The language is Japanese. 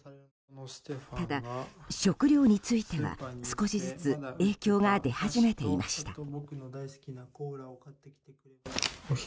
ただ、食料については少しずつ影響が出始めていました。